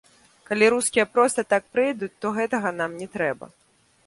Калі рускія проста так прыйдуць, то гэтага нам не трэба.